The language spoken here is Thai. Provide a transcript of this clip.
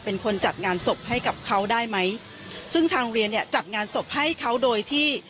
เป็นคนจัดงานศพให้กับเขาได้ไหมซึ่งทางโรงเรียนเนี่ยจัดงานศพให้เขาโดยที่